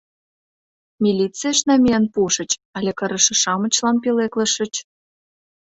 Милицийыш намиен пуышыч але кырыше-шамычлан пӧлеклышыч?